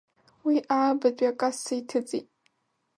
Уи аабатәи акасса иҭыҵит.